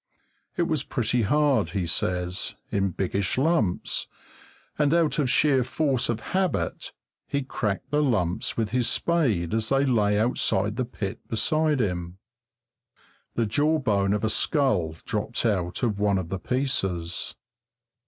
It was pretty hard, he says, in biggish lumps, and out of sheer force of habit he cracked the lumps with his spade as they lay outside the pit beside him; the jawbone of a skull dropped out of one of the pieces.